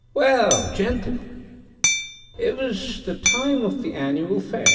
Well, gentlemen, it was the time of the annual fair.